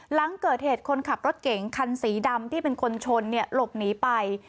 หลังเกิดเหตุคนขับรถเก่งคันสีดำที่เป็นคนชนหลบหนีไป